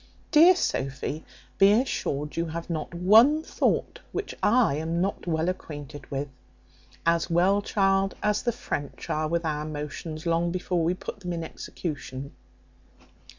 Dear Sophy, be assured you have not one thought which I am not well acquainted with; as well, child, as the French are with our motions, long before we put them in execution.